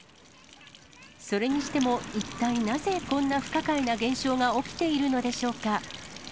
それにしても一体なぜ、こんな不可解な現象が起きているのでしょ